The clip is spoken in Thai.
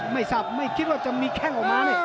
ไม่ทราบไม่คิดว่าจะมีแข้งออกมา